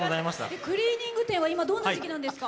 クリーニング店は今、どんな時期なんですか？